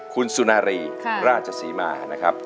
คุณสุนารีราชศรีมานะครับ